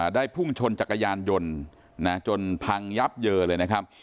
พุ่งชนจักรยานยนต์จนพังยับเยอเลยนะครับ